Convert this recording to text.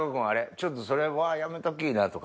ちょっとそれはやめときぃなとか。